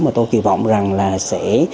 mà tôi kỳ vọng rằng là sẽ